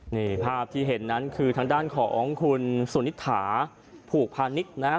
นี่ภาพที่เห็นนั้นคือทางด้านของคุณสุนิษฐาผูกพาณิชย์นะฮะ